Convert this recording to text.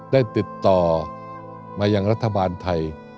ได้ติดต่อมายังรัฐบาลไทย